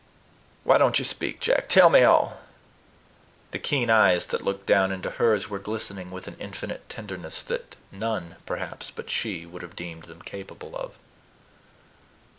Why don't you speak, Jack? Tell me all." The keen eyes that looked down into hers were glistening with an infinite tenderness that none, perhaps, but she would have deemed them capable of.